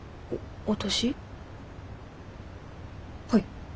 はい。